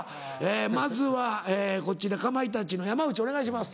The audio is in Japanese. まずはこちらかまいたちの山内お願いします。